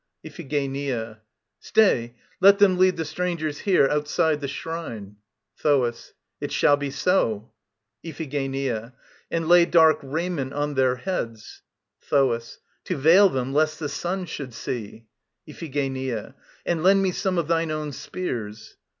IPHIGENIA. Stay; let them lead the strangers here, outside the shrine ... THOAS. It shall be so. IPHIGENIA. And lay dark raiment on their heads ... THOAS. To veil them, lest the Sun should see. IPHIGENIA. And lend me some of thine own spears.